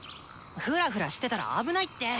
フラフラしてたら危ないって！